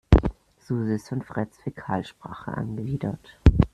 Susi ist von Freds Fäkalsprache angewidert.